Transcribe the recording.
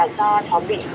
trong trường hợp mà chị thấy